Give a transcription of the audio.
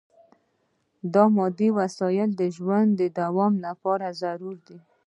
دا مادي وسایل د ژوند د دوام لپاره ضروري دي.